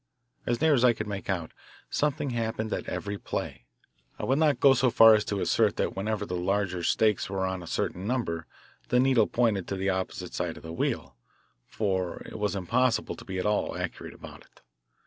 As near as I could make out, something happened at every play. I would not go so far as to assert that whenever the larger stakes were on a certain number the needle pointed to the opposite side of the wheel, for it was impossible to be at all accurate about it.